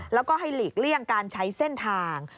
แล้วก็ให้หลีกเลี่ยงการใช้เส้นทาง